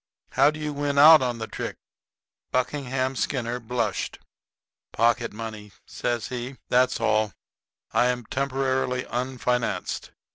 How do you win out on the trick?" Buckingham Skinner blushed. "Pocket money," says he; "that's all. I am temporarily unfinanced.